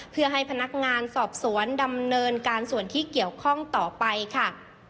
เพื่อให้พนักงานสอบสวนดำเนินการส่วนที่เกี่ยวข้องต่อไปค่ะ